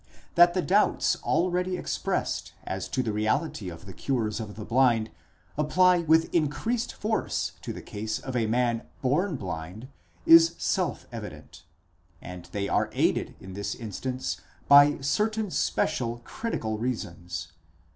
That the doubts already expressed as to the reality of the cures of the blind, apply with increased force to the case of a man born blind, is self evident. And they are aided in this instance by certain special critical reasons.